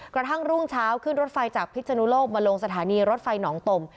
กระทั่งรุ่งเช้าขึ้นรถไฟจากพิศนุโลกมาลงสถานีรถไฟหนองตม